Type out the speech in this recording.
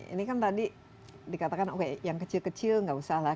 ini kan tadi dikatakan oke yang kecil kecil nggak usah lah